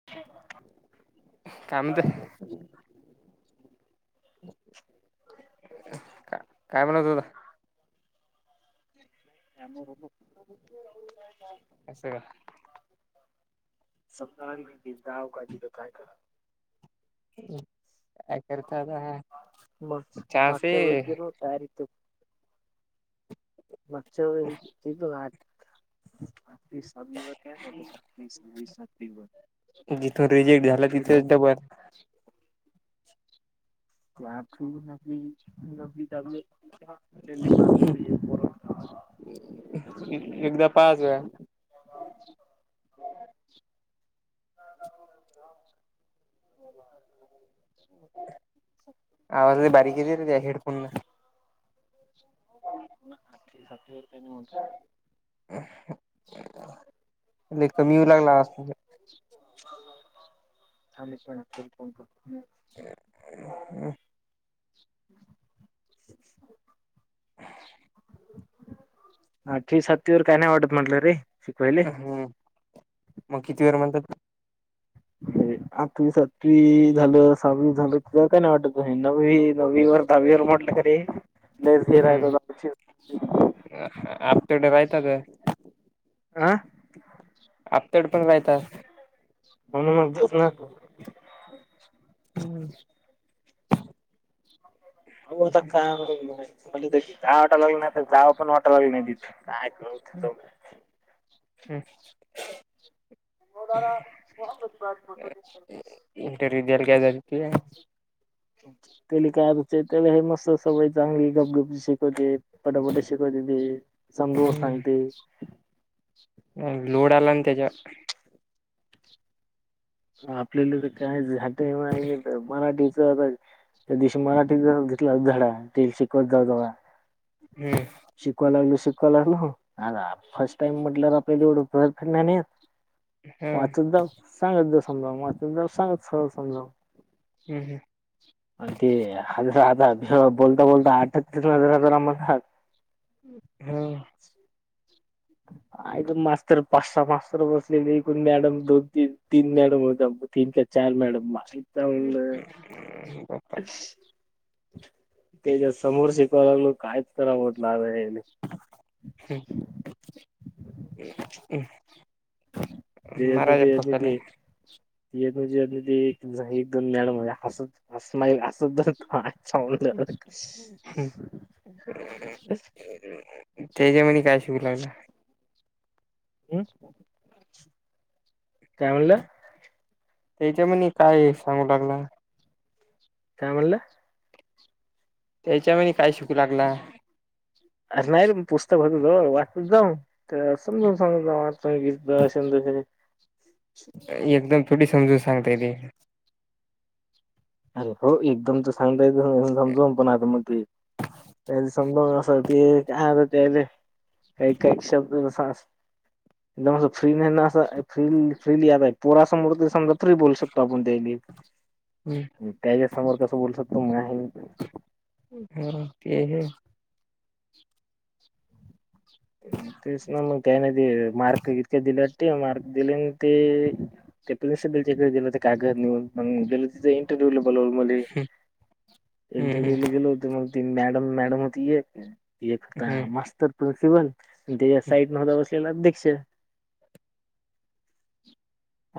ह काम ते का काय म्हणवत तुता त्या म अस का समजावींदाव का दिलं काय का या करर्ता चा दारीत मक्ष त वा दिव होतेात दिव पावी नव बर [unintelligible] एकदा पाच वेळा [unintelligible] [unintelligible] आवाज बारीक येत हेडफोनला [unintelligible] कमी येऊ लागला म्हणे आ्ही पणण करतो हम् [unintelligible] [unintelligible] अ ठी सत्तीवर काय नाही वाटत म्हटलं रे शिकवायले हम्म मग किती वेर म्हणतात आठवी सातवी झालं सहावीस झालं त काय नाही वाटत नवी नवी वर दावीवर म्हटलं खे न आपतेडे राहता का आह [unintelligible] म्ह मग ना हम् हो का जा वाटा लागल ना जा पण वाट [unintelligible] हम्म इंटरव्ह्यू द्यायला काय झाली [unintelligible] त्याले काय अच त्याला हे मस्त सवय चांगली गपगपज शिकवते पटापट शिकवत्याती ती समजवून ती सांगते लोड अला ना तेज्यावर आपल्याला तर काय झाट आहे नाही तर मराठीच आता त्या दिवशी मराठीत घेतला धडा ते शिकवत जाव जवा हम् शिकवा लागलो शिकवा लागलो आ फर्स्ट टाइम म्हटलं आपल्या जेवढं [unintelligible] वाचत जाव सांगत जाव समजाव वाचत जाऊ सांगत स समजाव हम् हम आणि ते हज आता बोलता बोलता आटकते जरा जरा मग हा [inaudible] ऐक मास्तर पाच सहा मास्तर बसलेले एकूण मॅडम दोन तीन तीन मॅडम होत्या [unintelligible] तीन का चार मॅडम बा हो बाप्पा त्यांच्या समोर शिकवाय लागल कायच करावंत [unintelligible] हम् [unintelligible] हम् त्याच्यातनी त्याच्यातनी ते [unintelligible] [unintelligible] एक दोन मॅडम होत्या हसत असमाईल असं [unintelligible] त्यांच्यामध्ये काय शिकू राहीला हम् काय म्हणला त्यांच्यामध्ये काय सांगू टाकल काय म्हणलं त्याच्या वेळी काय शिकू लागला अर नाही रे म पुस्तक होत ज वाचत जाऊ तर समजून सांगू जाऊ आत [unintelligible] एकदम थोडी समजून सांगता येतेे. अरे हो एकदम तर सांगता यच समजवून पण आता मग ते. त्या समजवण्यासाठी आरे तेज्या काही काही शब्द [unintelligible] [inaudible] [unintelligible] फ्री नाही ना अस फ्रीली फ्रीली आ पोरा समोर तरी समजा फ्री बोलू शकतो आपण त्यायले हम्म त्याच्या समोर कसं बोलू शकतो माय ह ह ते हे तेच ना मग त्याने ते मार्क इतक्या दिलेते मार्क दिले न ते. ते प्रिन्सिपलच्याकडे गेलं ते कागद निऊन मग गेल [unintelligible] इंटरव्ह्यू बोलवलं मधे हम्म इंटरव्ह्यूले गेलो होतो मग. ती मॅडम मॅडम होती एक एक होता हम्म मास्तर प्रिन्सिपल पण त्याच्या साईड न होता. तेल अध्यक्ष [inaudible]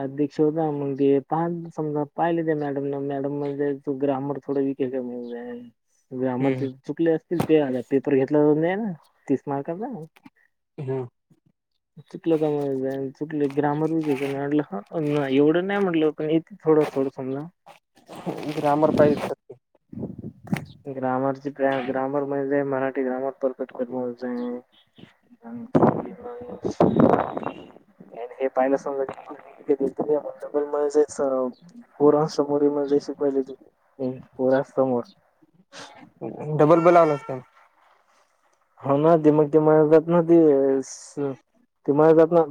अध्यक्ष होता मग ते पह समजा पाहिले ते मॅडम न मॅडम म्हणे तो ग्रामर थोडा वीक. [unintelligible] हम्म ग्रामरचे चुकले असतील ते आ पेपर घेतला ना तीस मार्काचा. हम् चुकलं का चुकले ग्रामर वगे का म्हटलं ह एवढं नाही म्हटलं पण थोडं थोडं समला. ग्रमर पाहि. ग्रामरची ग्रामर म्हणे मराठी ग्रामर पर. कटक जा. आणि हे पाहियला समजाल म्हण. स पुराण समोर मजशी पहिले त पुराण समोर. डबल बोलाव ना का. हो ना ते मग ते म जात ना ते ते म जात ना.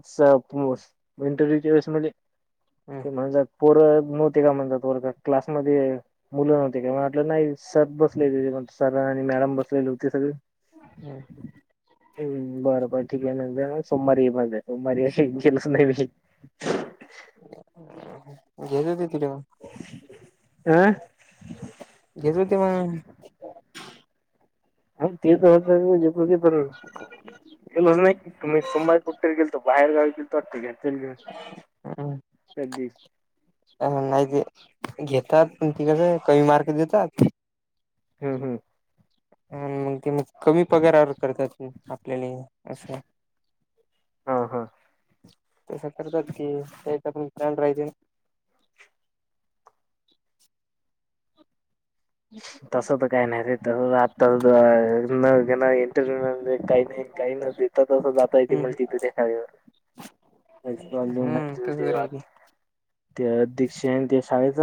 तुम इंटरव्यस मले. हम म्हणात पोर नव्हते का म्हणजात वर क्लासमध्ये. मुलं नव्हती का म्हटलं नाही सर बसले सर आणि मॅडम बसलेले होते सगळे. हम्म हम् बर बर ठीक आहे न सोमवारी ये माझ सोमवारी गेलंच नाही मी. घेत होते तिथ मग. आह घेत होते मग. तीस हजजती प. गेलो नाही तुम्ही सोमवार कटेर गेलो बाहेरावी गेल तरोे. हम् दिवशी. अ नाही ते घेतात तिकडे कमी मार्क देतात. हम हम् मग ते मग कमी पगारावर करतात आपल्याला असं. हा हा तें करतात की त्याचा पण फॅन राहाते. तस तर काही नाही ते तस आता न इंटरव काही नाही काही न. आता तसं जाता य ते म्हल हम्म तिथ देखावर. हम्म तसच ते दीक्षित त्या शाळेच.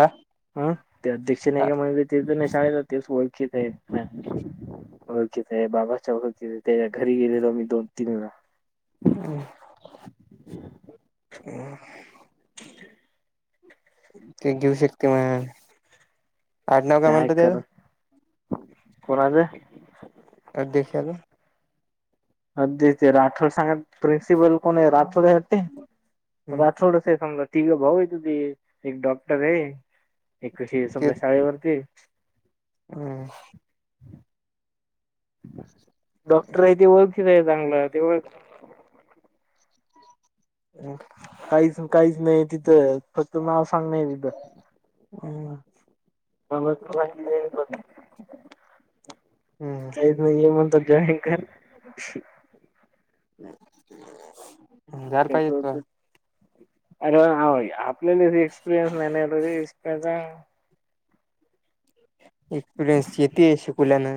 अं हा ते अध्यक्ष नाही का म्हण ते तर नाही शाळेत तेच ओळखीच आहे ओळखच बाबाच्या ओळख त्याच्या घरी गेलेलो मी दोन तीन व अे ह [unintelligible] ते घेऊ शकते म काय कर कोणाझ अ देख्याला अदी ते राठोड सांगत प्रिन्सिपल कोण राठोडते हम्म राठोड स समज तिघ भाऊ य त ते एक डॉक्टर आहे एक ते सज शाळेवरती हम्म डॉक्टर य ओगतय तंगला हम काहीच काहीच नाही तिथं फक्त नाव सांगणारय तिथं हो म काहि हम्म काहीच नाही ये म्हणत जॉईन कर ह अर एक्सपीरयनस न इ एक्सपिरियन्स येते शकुलान.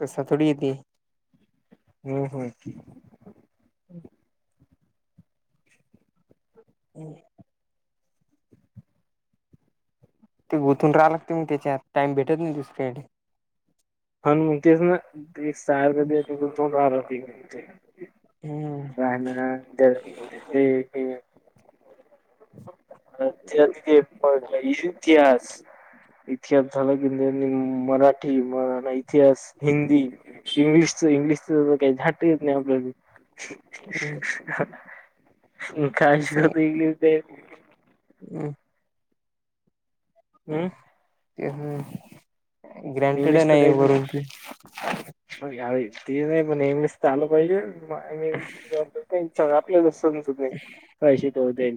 तस थोडी येते. हम् होम. हम् हम् ते गुोथून राहा लागते मग त्याच्यात टाइम भेटत नाही दुसरीकडे.. हतेेच ना एक साहार हम् राह ते. अ ते प लश. इतिहास इतिहास झाला की त्यांनी मराठी मरा इतिहास हिंदी इंग्लिशच इंग्लिशच काही झाट येत नाही आपल्याला हम्. काशतल ते. अ्. हम्म ते ग्रँटेड नाही वरून ते. मग यावे ते नाही म नेहमीच आलं पाहिजे. आपल्या कशी ते होतई.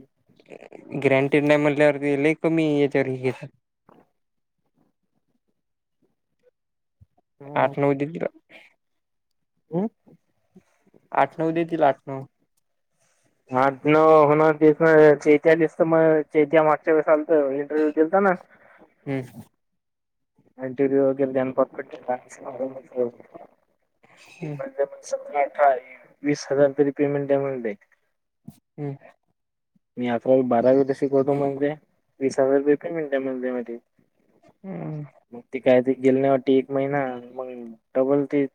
ग्रँटेड नाही म्हल्यावरतीले क मी याच्यावर घेत आठ नऊ द दिला होओ आठ नऊ देतील आठ नऊ. हा न होणार दिस ैत्या दिसत मग ैत्याट. वी सल इंटरव्यू केता ना. हम् ह. आणिटी वगैर जानप तरा हम्म अठरा वीस हजार तरी पेमेंट यामं द हम् मी आज बारा वे शिकवतो मणे वीस हजार रुपये पेमेंट आहे म मध्ये. हम्म मग ती काय ती गेल नाही वाटत एक महिना मग डबल ती.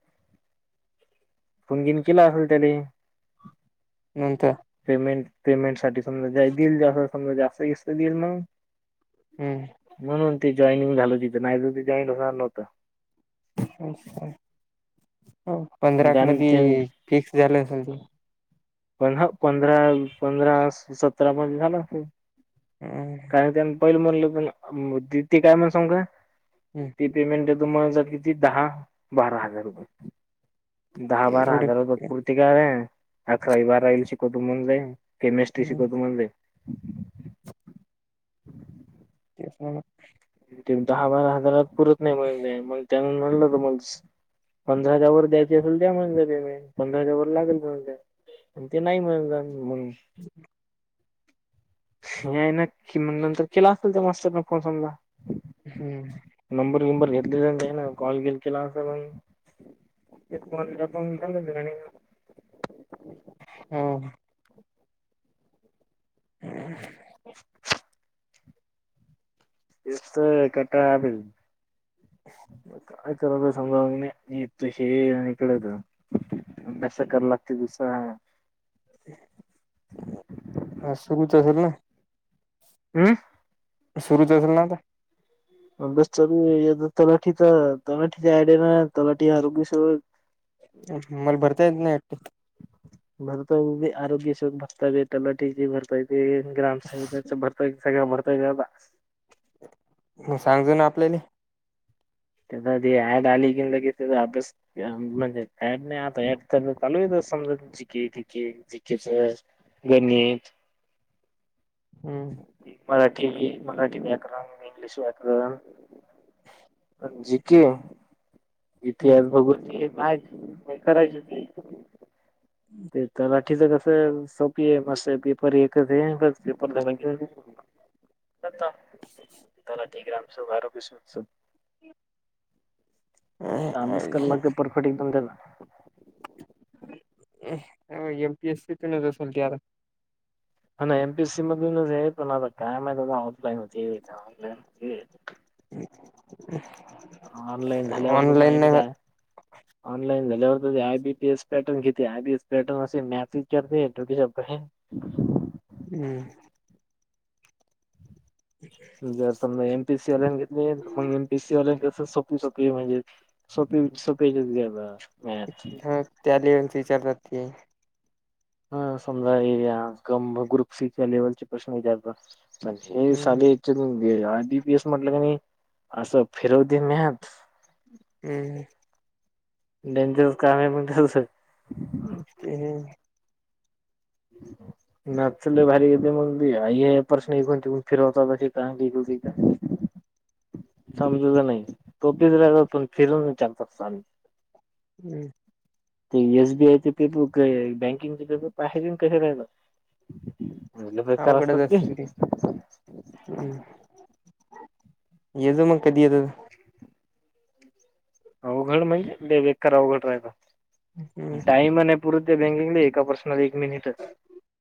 पुगीन केल असेल त्याने. नंतर. पेमेंट पेमेंट साठी समजा देईल जा समजा जास्त बिस्त देईल मग. हम्म म्हणून ते जॉईनिंग झालं तिथं नाही तर ते जॉईन होणार नव्हतं. पण पंधरा त्यान ते मध्ये फिक्स झालं असेल तर. पं पंधरा पंधरा सतरा मध्ये झाला असेल. हम्म पहिल म्हणलं मला काय म्हण सांग का ती पेमेंट म्ह दहा बारा हजार रुपये दहा बारा एवढे हजारा तेच पूर्ती काय. अकरावी बारावी शिकवते म्हणले केमिस्ट्री शिकवते म्हणले. तेच म्हणलं. ते दहा बारा हजारात पुरत नाही म्हणले मग त्यांना म्हले होते मग. पंधरा हजारांच्या वर द्यायची असेल त्या म्हणे मी पंधरा हजार वर लागेल म्हणले. पण ते नाही म्हणले मग. [inaudible] हे आहे न कि म्हण नंतर केला असेल त्या मास्तरने फोन समजा हम्म नंबर बिंबर घेतले तर नाही ना कॉल बिल केला असे ना. [unintelligible] हम्म, [unintelligible] तेच तर कंटाळा आलाय, [unintelligible] काय करायच ते समजणं [unintelligible] आणि हिकडं जा, अभ्यास करा लागते, [unintelligible] [unintelligible] हम्म, सुरूच असेल, ना आता, अभ्यास चालूआहे, तलाठी तर तलाठीचा आयडिया ना, तलाठीअरोग्य स मला भरता येत नाही, [unintelligible] भरता येते, आरोग्य सेवक भरतय, तलाटी ज भरतायेते, ग्रामसेवकाच भरता येते, सगळ भरता येतात, [unintelligible] मग सांगजू ना आपल्याले, त्याची ऍड आली कनी, लगेच त्याचा अभ्यास, म्हणजे ऍड नाही आता, [unintelligible] चालू आहे जीके बिके जेके च, गणित, हम्म, मराठी मराठी व्याकरण, इंग्लिश व्याकरण, जीके, हम्म इतिहास, भूगोल तेन आहे, करायचे आहे ते, तलाठीचं कसं सोपी आहे, मस्तपैकी पेपर एकच आ, हे पेपरलाझालं की [unintelligible] तलाठी, ग्रामसेवक, आरोग्यसेवक, अभ्यास करावा लागतो, परफेक्ट एकदम त्याला, एम. पी. एस. सी तून असल तर, हा, ना, एम. पी. एस. सी मधूनच आहे, पण आता काय माहीत, आता ऑफलाईन होती, का ऑलाईन होतीय, [unintelligible] ऑनलाईन झाल्यावर [unintelligible] ऑनलाईन नाही होत ऑनलाईन झाल्यावर ते, आय बीपीएस पॅटर्न घेते, आय बीएस पॅटर्न, असे मॅसेज [unintelligible] हम्म, जर समजा एमपी सी वल्यानी, घेतली मग एसीवान कस, सोपी, सोपी म्हणजे सोपी, सोपी घ्याला, ह त्या [unintelligible] विचार जात हा समजा ये ग्रुप, सी च्या लेवल चे प्रश्न विचारत, पण हम्म हे [unintelligible] आधी पी एस म्हटलं कनी, असं फिरव दे मत, हम्, डेंजरस काम आहे पण, तेच, ते, [unintelligible] नाचले भारी येते मग, आ प्रश्न इकडून, तिकून फिरवता, [unintelligible] [unintelligible] समजूलं नाही, तो किचून फिरून विचलकतो, [unintelligible] हम्म, ते एसबीआयचे पेपर, बँकिंगचे पेपर, [unintelligible] लय बकारा असतात बे, हम्, एज म कधी, अवघड म्हणजे लई बकर, अवघड राहित, हम्म टाइम पुरत बँकिंगले, एका प्रश्न ला, एक मिनिटच, [unintelligible]